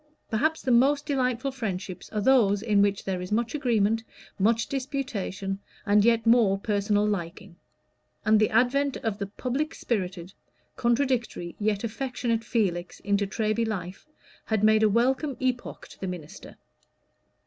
Perhaps the most delightful friendships are those in which there is much agreement, much disputation, and yet more personal liking; and the advent of the public spirited, contradictory, yet affectionate Felix, into Treby life, had made a welcome epoch to the minister.